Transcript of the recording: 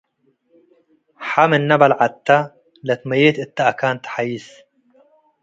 ሐ ምነ በልዐተ፡ ለትመዬት እተ አካን ተሐይስ።